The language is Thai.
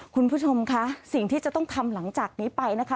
คุณผู้ชมคะสิ่งที่จะต้องทำหลังจากนี้ไปนะคะ